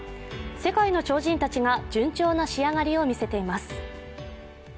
世界の超人たちが順調な仕上がりを見せています。